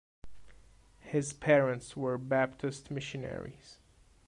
His parents were Baptist missionaries.